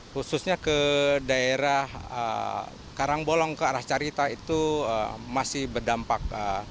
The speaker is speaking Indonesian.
khususnya ke daerah karangbolong ke arah carita itu masih berdampak